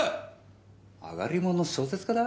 あがりもんの小説家だ？